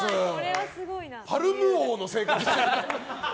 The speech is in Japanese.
パルム王の生活してる。